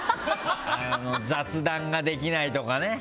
雑談ができないとかね。